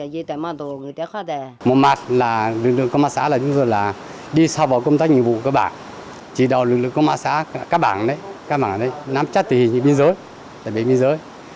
được công an xã các bảng đấy các bảng đấy nắm chắc tình hình như biên giới đại biện biên giới